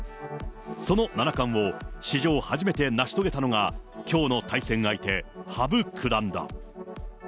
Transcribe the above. その七冠を、史上初めて成し遂げたのが、きょうの対戦相手、羽生九段だ。